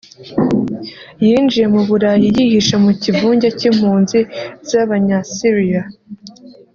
yinjiye mu Burayi yihishe mu kivunge cy’impunzi z’abanya Syria